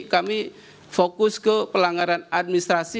kami fokus ke pelanggaran administrasi